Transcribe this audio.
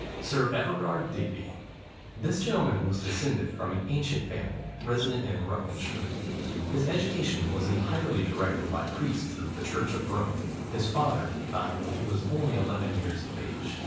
SIR EVERARD DIGBY. This gentleman was descended from an ancient family, resident in Rutlandshire. His education was entirely directed by priests of the church of Rome, his father dying when he was only eleven years of age.